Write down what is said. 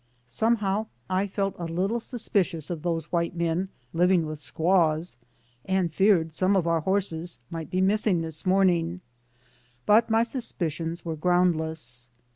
Somehow I felt a little suspicious of those white men living with squaws, and feared some of our horses might be missing this morning, but my suspicions were groundless.